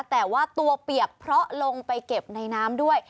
แต่ว่าตัวเปียกเพราะลงไปเก็บในน้ำด้วย